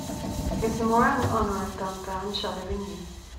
Is mór an onóir dom bheith anseo libh inniu